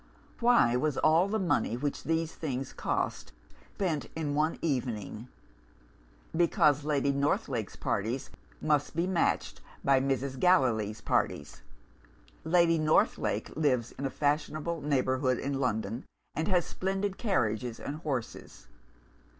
Why was all the money which these things cost spent in one evening? Because Lady Northlake's parties must be matched by Mrs. Gallilee's parties. Lady Northlake lives in a fashionable neighbourhood in London, and has splendid carriages and horses.